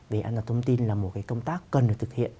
về an toàn thông tin là một cái công tác cần được thực hiện